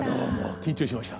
緊張しました。